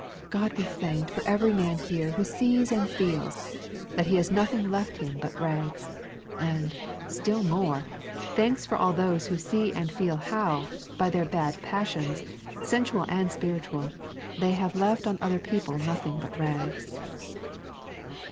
God be thanked for every man here who sees and feels that he has nothing left him but rags; and, still more, thanks for all those who see and feel how, by their bad passions, sensual and spiritual, they have left on other people nothing but rags.